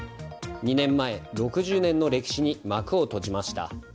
２年前、６０年の歴史に幕を閉じました。